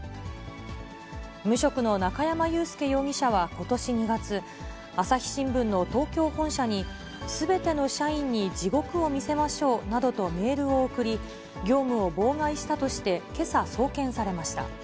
無職の中山雄介容疑者はことし２月、朝日新聞の東京本社に、すべての社員に地獄を見せましょうなどとメールを送り、業務を妨害したとしてけさ、送検されました。